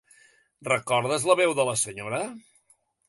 Recordes la veu de la senyora?